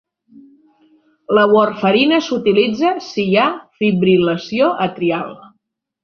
La warfarina s'utilitza si hi ha fibril·lació atrial.